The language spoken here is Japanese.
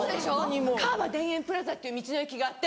川場田園プラザっていう道の駅があって。